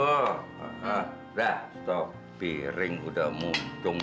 nuckal pengen bikin aku tidur